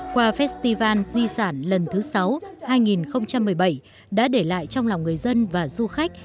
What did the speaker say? qua festival di sản lần thứ sáu hai nghìn một mươi bảy đã để lại trong lòng người dân và du khách